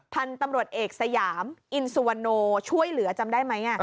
พันธุ์ตำรวจเอกสยามอินสุวรรณโนช่วยเหลือจำได้ไหม